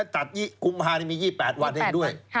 จัดกุมภาคมมี๒๘วันด้วย